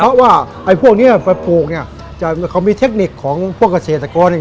เพราะว่าไอ้พวกเนี้ยไปปลูกเนี่ยจะเขามีเทคนิคของพวกเกษตรกรเนี่ย